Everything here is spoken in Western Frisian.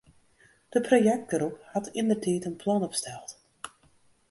De projektgroep hat yndertiid in plan opsteld.